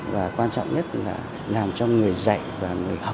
và quan trọng nhất là làm cho người dạy và người học